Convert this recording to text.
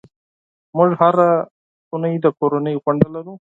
موږ هره اونۍ د کورنۍ غونډه لرو.